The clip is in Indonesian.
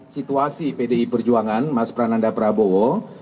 situasi pdi perjuangan mas prananda prabowo